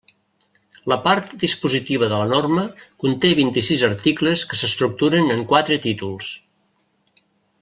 La part dispositiva de la norma conté vint-i-sis articles que s'estructuren en quatre títols.